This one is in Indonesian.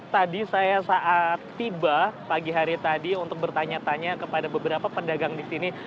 tadi saya saat tiba pagi hari tadi untuk bertanya tanya kepada beberapa pedagang di sini